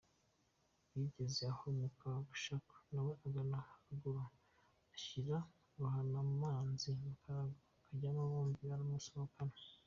Bigeza aho muka Bushaku nawe agana haruguru ashyira Ruhararamanzi mu karago, bajyamo bombi aramusohokana.